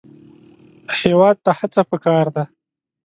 هېواد ته هڅه پکار ده